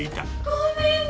ごめんね！